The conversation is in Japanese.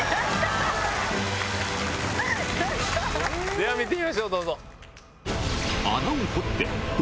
では見てみましょうどうぞ。